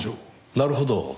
なるほど。